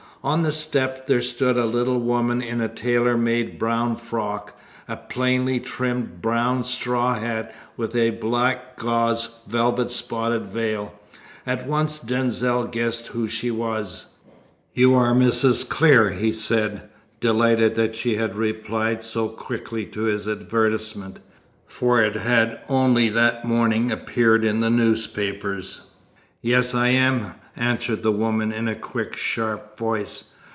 On the step there stood a little woman in a tailor made brown frock, a plainly trimmed brown straw hat with a black gauze velvet spotted veil. At once Denzil guessed who she was. "You are Mrs. Clear?" he said, delighted that she had replied so quickly to his advertisement, for it had only that morning appeared in the newspapers. "Yes, I am," answered the woman, in a quick, sharp voice.